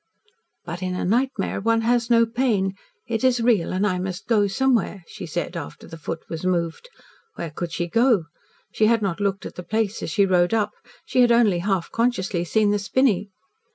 "But in a nightmare one has no pain. It is real and I must go somewhere," she said, after the foot was moved. Where could she go? She had not looked at the place as she rode up. She had only half consciously seen the spinney.